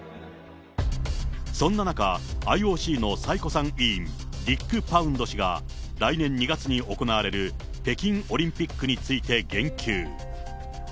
そんな中、ＩＯＣの最古参委員、ディック・パウンド氏が、来年２月に行われる北京オリンピックについて言及。